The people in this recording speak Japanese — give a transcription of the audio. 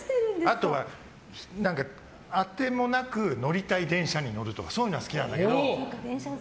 あとは、当てもなく乗りたい電車に乗るとかそういうのは好きなんだけど。